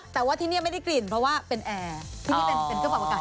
แต่ว่าที่นี่ไม่ได้กลิ่นเพราะว่าเป็นแอร์